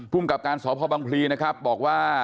กับการสพบังพลีนะครับบอกว่า